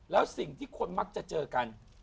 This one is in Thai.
แล้วสิ่งที่คนมักจะเจอกัน